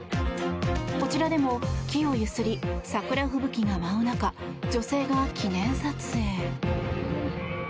こちらでも木を揺すり、桜吹雪が舞う中女性が記念撮影。